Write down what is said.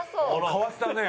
かわしたね！